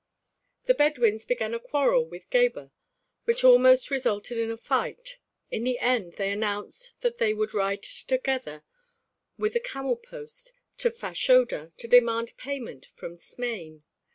The Bedouins began a quarrel with Gebhr which almost resulted in a fight; in the end they announced that they would ride together with the camel post to Fashoda to demand payment from Smain.